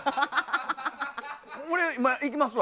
俺、いきますわ。